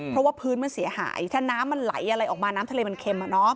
เพราะว่าพื้นมันเสียหายถ้าน้ำมันไหลอะไรออกมาน้ำทะเลมันเค็ม